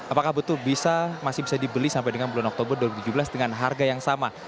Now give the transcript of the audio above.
apakah betul bisa masih bisa dibeli sampai dengan bulan oktober dua ribu tujuh belas dengan harga yang sama